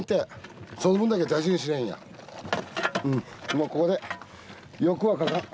こうここで欲はかかん。